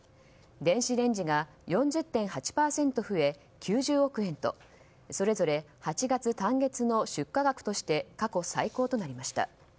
電子レンジが４０．８％増え９０億円とそれぞれ８月単月の出荷額として過去最高となりました。